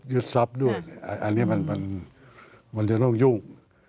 ทรัพย์ด้วยอันนี้มันจะต้องยุ่ง